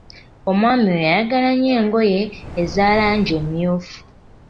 Omwami oyo ayagala nnyo engoye eza langi emyufu.